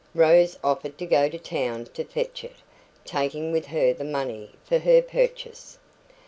Rose offered to go to town to fetch it, taking with her the money for her purchase.